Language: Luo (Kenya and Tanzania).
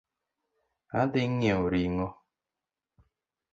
Adhi ng'iewo ring'o